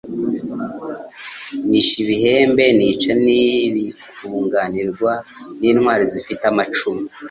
Nishe ibihembe nica n'ibikungunarirwa n,intwali zifite amacumu